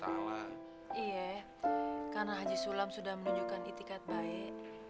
iya karena haji sulam sudah menunjukkan itikat baik